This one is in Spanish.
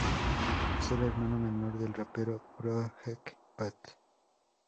Es el hermano menor del rapero Project Pat.